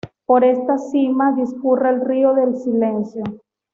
Por esta sima discurre el río del Silencio.